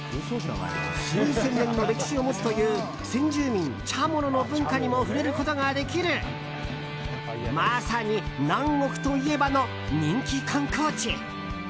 数千年の歴史を持つという先住民チャモロの文化にも触れることができるまさに南国といえばの人気観光地。